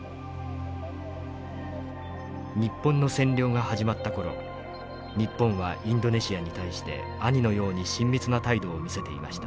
「日本の占領が始まった頃日本はインドネシアに対して兄のように親密な態度を見せていました。